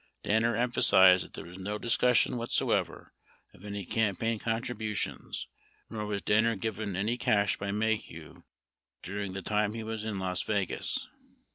Danner empha sized that there was no discussion whatsoever of any campaign con tributions, nor was Danner given any cash by Maheu during the time he was in Las Vegas.